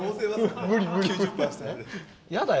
やだよ？